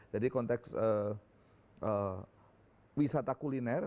jadi konteks wisata kuliner